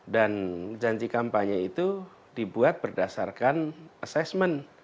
dan janji kampanye itu dibuat berdasarkan assessment